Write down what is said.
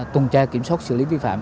tuần tra kiểm soát xử lý vi phạm